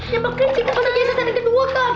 ya makanya kita pasang jasa sandy kedua kan